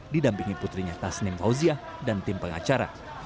didampingi putrinya tasnim fauziah dan tim pengacara